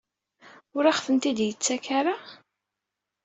Ur aɣ-tent-id-yettak ara?